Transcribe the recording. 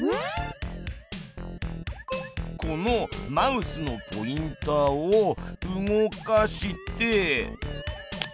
このマウスのポインターを動かして。